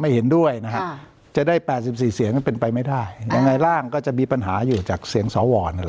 ไม่เห็นด้วยนะฮะจะได้๘๔เสียงเป็นไปไม่ได้ยังไงร่างก็จะมีปัญหาอยู่จากเสียงสวนั่นแหละ